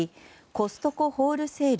コストコホールセール